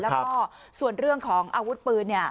แล้วก็ส่วนเรื่องของอาวุธปืนเนี่ย